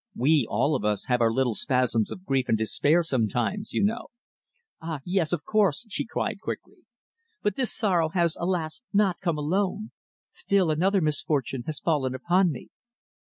We all of us have our little spasms of grief and despair sometimes, you know." "Ah! yes, of course," she cried quickly. "But this sorrow has, alas! not come alone. Still another misfortune has fallen upon me."